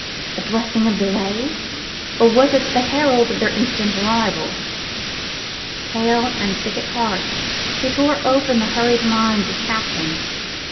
The blessing of delay? or was it the herald of their instant arrival? Pale and sick at heart, he tore open the hurried lines of Katherine.